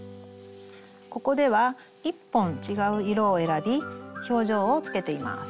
ここでは１本違う色を選び表情をつけています。